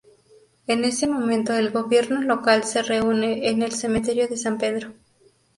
En ese momento el gobierno local se reúne en el cementerio de San Pedro.